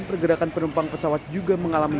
pergerakan penumpang pesawat juga mengalami